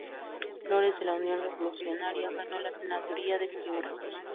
Flores, de la Unión Revolucionaria, ganó la senaduría de Piura.